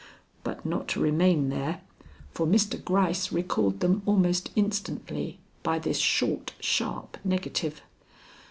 But not to remain there, for Mr. Gryce recalled them almost instantly by this short, sharp negative.